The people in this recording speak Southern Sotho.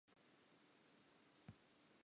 Ka hoo a mo siya ka lebitleng.